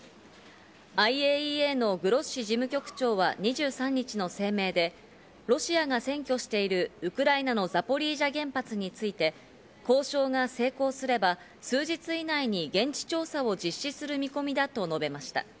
ＩＡＥＡのグロッシ事務局長は２３日の声明で、ロシアが占拠しているウクライナのザポリージャ原発について交渉が成功すれば数日以内に現地調査を実施する見込みだと述べました。